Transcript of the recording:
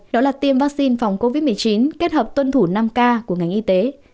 đó là tiêm vaccine phòng covid một mươi chín kết hợp tuân thủ năm k của ngành y tế